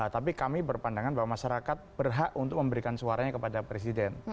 tapi kami berpandangan bahwa masyarakat berhak untuk memberikan suaranya kepada presiden